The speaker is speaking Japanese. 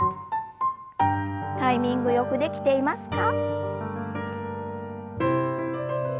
タイミングよくできていますか？